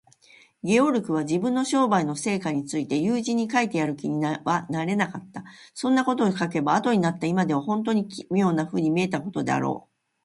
ゲオルクは、自分の商売の成果について友人に書いてやる気にはなれなかった。そんなことを書けば、あとになった今では、ほんとうに奇妙なふうに見えたことであろう。